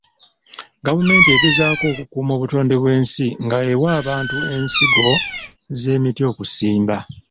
Gavumenti egezaako okukuuma obutonde bw'ensi nga ewa abantu ensigo z'emiti okusimba.